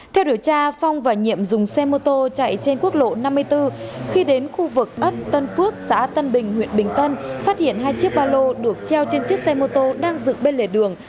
theo điều tra phong và nhiệm dùng xe mô tô chạy trên quốc lộ năm mươi bốn khi đến khu vực ấp tân phước xã tân bình huyện bình tân phát hiện hai chiếc ba lô được treo trên chiếc xe mô tô đang dựng bên lề đường